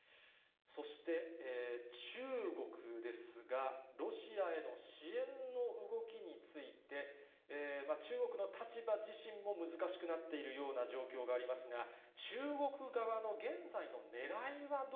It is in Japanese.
そして、中国ですが、ロシアへの支援の動きについて、中国の立場自身も難しくなっているような状況がありますが、